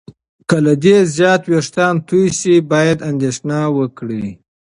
که له دې زیات وېښتان تویې شي، باید اندېښنه وکړې.